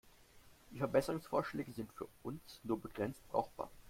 Die Verbesserungsvorschläge sind für uns nur begrenzt brauchbar.